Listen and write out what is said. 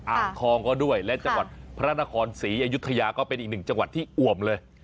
อ่างทองก็ด้วยและจังหวัดพระนครศรีอยุธยาก็เป็นอีกหนึ่งจังหวัดที่อ่วมเลย